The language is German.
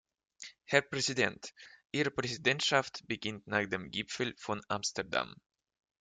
Herr Präsident, Ihre Präsidentschaft beginnt nach dem Gipfel von Amsterdam.